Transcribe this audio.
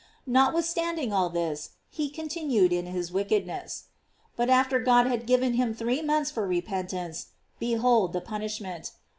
Notwith standing all this, he continued in his wicked ness. But after God had given him three months for repentance, behold the punishment!